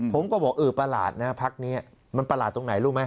ผมก็บอกเออประหลาดนะพักนี้มันประหลาดตรงไหนรู้ไหม